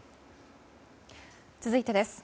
続いてです。